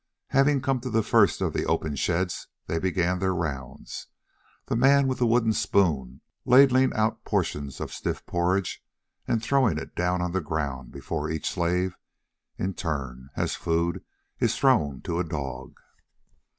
Having come to the first of the open sheds, they began their rounds, the man with the wooden spoon ladling out portions of the stiff porridge and throwing it down upon the ground before each slave in turn as food is thrown to a dog.